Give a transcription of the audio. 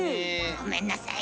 ごめんなさい。